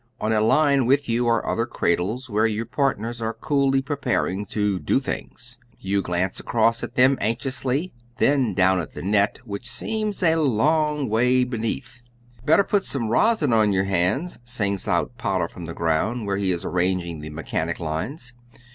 On a line with you are other cradles, where your partners are coolly preparing to do things. You glance across at them anxiously, then down at the net, which seems a long way beneath. "Better put some rosin on your hands," sings out Potter from the ground, where he is arranging the "mechanic" lines.